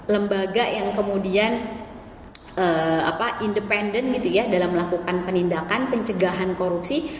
lembaga yang kemudian independen gitu ya dalam melakukan penindakan pencegahan korupsi